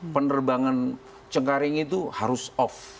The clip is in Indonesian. penerbangan cengkaring itu harus off